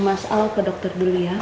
maaf sama mas al ke dokter dulu ya